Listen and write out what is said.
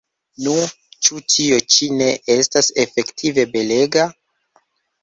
Nu, ĉu tio ĉi ne estas efektive belega?